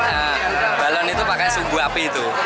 nah balon itu pakai sumbu api itu